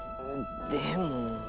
でも。